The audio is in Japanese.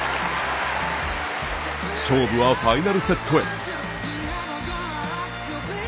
勝負は、ファイナルセットへ。